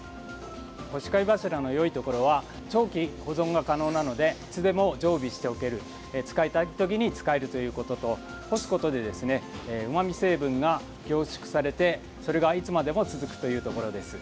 干し貝柱のよいところは長期保存が可能なのでいつでも常備しておける使いたい時に使えるということと干すことでうまみ成分が凝縮されてそれがいつまでも続くというところです。